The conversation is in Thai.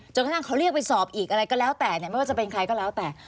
กระทั่งเขาเรียกไปสอบอีกอะไรก็แล้วแต่ไม่ว่าจะเป็นใครก็แล้วแต่